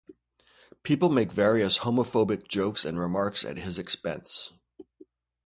People make various homophobic jokes and remarks at his expense.